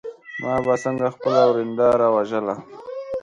ما به څنګه خپله ورېنداره وژله.